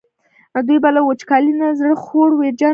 دوی به له وچکالۍ نه زړه خوړ ویرجن وو.